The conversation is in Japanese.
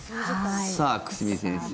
さあ、久住先生